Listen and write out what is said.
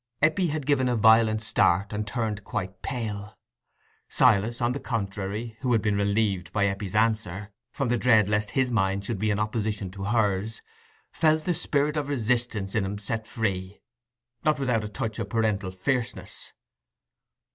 Eppie had given a violent start, and turned quite pale. Silas, on the contrary, who had been relieved, by Eppie's answer, from the dread lest his mind should be in opposition to hers, felt the spirit of resistance in him set free, not without a touch of parental fierceness.